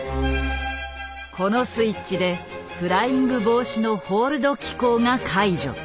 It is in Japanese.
このスイッチでフライング防止のホールド機構が解除。